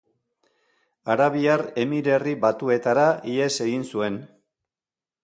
Arabiar Emirerri Batuetara ihes egin zuen.